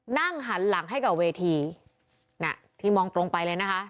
นั่งหันหลังให้กับเวทีน่ะที่มองตรงไปเลยนะคะ